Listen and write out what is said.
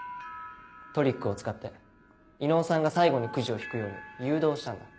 トリックを使って伊能さんが最後にくじを引くように誘導したんだ。